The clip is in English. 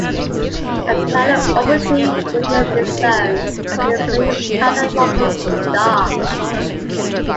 A planet orbiting within this zone may experience tidal locking to the star.